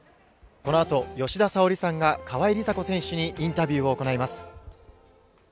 このあと吉田沙保里さんが川井梨紗子選手にインタビューを行います。